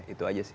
itu aja sih